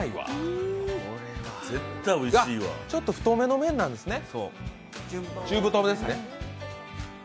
ちょっと太めの麺なんですね。